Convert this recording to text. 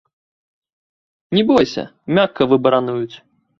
Не бойся, мякка выбарануюць.